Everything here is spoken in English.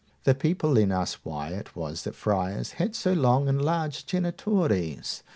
The people then asked why it was the friars had so long and large genitories?